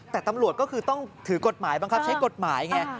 แต่ตำรวจก็คือต้องถือกฎหมายบังคับใช้กฎหมายไง